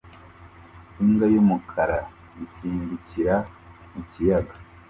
Imbwa y'umukara isimbukira mu kiyaga